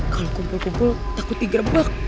kalau kumpul kumpul takut digerebek